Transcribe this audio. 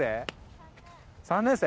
３年生？